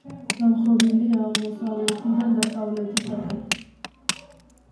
დამხრობილია აღმოსავლეთიდან დასავლეთისკენ.